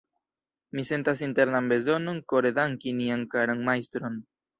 Mi sentas internan bezonon kore danki nian karan Majstron.